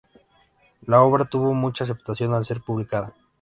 La obra tuvo mucha aceptación al ser publicada.